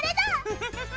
フフフフ。